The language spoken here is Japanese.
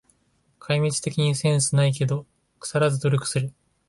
壊滅的にセンスないけど、くさらず努力する